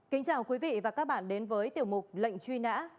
kính chào quý vị và các bạn đến với tiểu mục lệnh truy nã